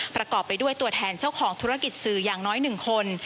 ประกอบไปด้วยตัวแทนเจ้าของธุรกิจสื่ออย่างน้อย๑คน